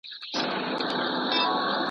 موږ په سېل درڅخه ولاړو ګېډۍ مه راوړه باغوانه .